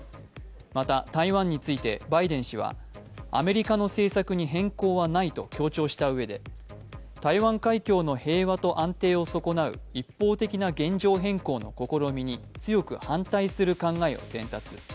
また、台湾についてバイデン氏はアメリカの政策に変更はないと強調したうえで台湾海峡の平和と安定を損なう一方的な現状変更の試みに強く反対する考えを伝達。